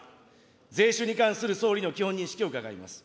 税収に関する総理の基本認識を伺います。